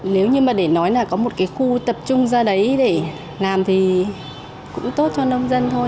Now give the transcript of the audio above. nếu như mà để nói là có một cái khu tập trung ra đấy để làm thì cũng tốt cho nông dân thôi